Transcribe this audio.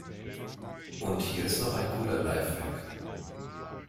Und hier ist noch ein cooler Lifehack.